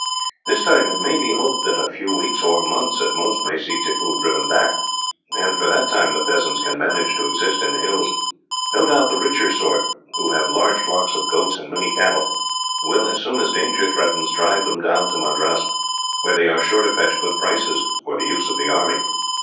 This time it may be hoped that a few weeks, or months at most, may see Tippoo driven back, and for that time the peasants can manage to exist in the hills. No doubt the richer sort, who have large flocks of goats, and many cattle, will, as soon as danger threatens, drive them down to Madras, where they are sure to fetch good prices for the use of the army.